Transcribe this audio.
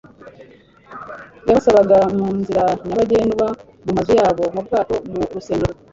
Yabasangaga mu nzira nyabagendwa, mu mazu yabo, mu bwato, mu rusengero,